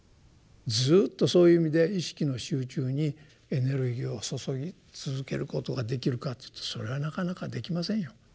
ずっとそういう意味で意識の集中にエネルギーを注ぎ続けることができるかっていうとそれはなかなかできませんよ。